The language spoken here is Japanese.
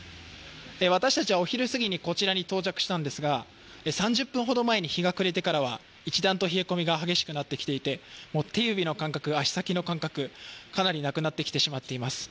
私たちは、お昼過ぎにこちらに到着したんですが、３０分ほど前に日が暮れてから一段と冷え込みが激しくなってきていて手指の感覚、足先の感覚、かなりなくなってしまっています。